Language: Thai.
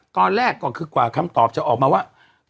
ตอนแรกกคคคำตอบจะออกไปว่า